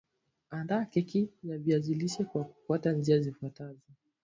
Andaa keki ya viazi lishe kwa kufuata njia zifuatazo